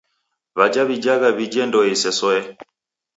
W'aja w'ijagha w'ije ndoe isesoe.